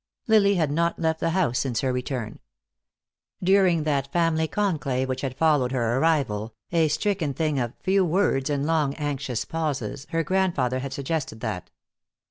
Lily had not left the house since her return. During that family conclave which had followed her arrival, a stricken thing of few words and long anxious pauses, her grandfather had suggested that.